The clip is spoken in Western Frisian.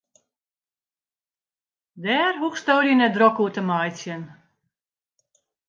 Dêr hoechsto dy net drok oer te meitsjen.